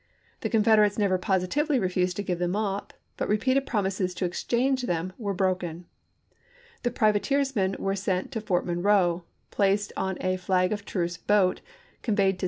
The Con federates never positively refused to give them up ; but repeated promises to exchange them were broken. The privateersmen were sent to Fort PRISONERS OF WAR 451 Monroe, placed on a flag of truce boat, conveyed to chap.